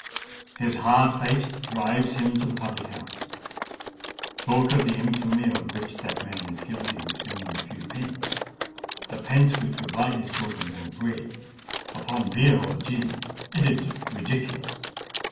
His hard fate drives him to the public house:—talk of the infamy of which that man is guilty in spending a few pence—the pence which would buy his children more bread—upon beer or gin,—it is ridiculous!